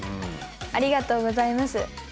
ありがとうございます。